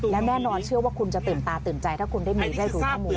และแน่นอนเชื่อว่าคุณจะตื่นตาตื่นใจถ้าคุณได้มีแค่ศึกษามูล